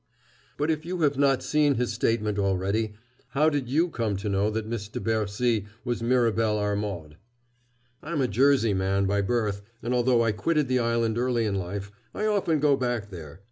But if you have not seen his statement already, how did you come to know that Miss de Bercy was Mirabel Armaud?" "I am a Jersey man by birth, and, although I quitted the island early in life, I often go back there.